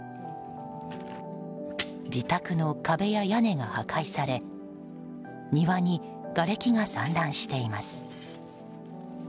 自宅の壁や屋根が破壊され庭にがれきが散乱しています。